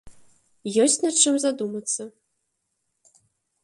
Ёсць над чым задумацца.